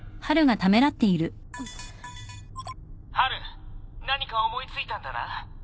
ハル何か思い付いたんだな？